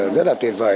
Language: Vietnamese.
rất là tuyệt vời